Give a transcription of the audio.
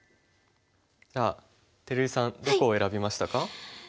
じゃあ照井さんどこを選びましたか？